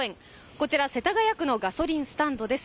こちら世田谷区のガソリンスタンドです。